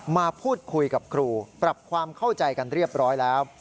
มาพูดคุยกับครูปรับความเข้าใจกันเรียบร้อยแล้ว